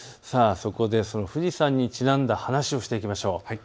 富士山にちなんだ話をしていきましょう。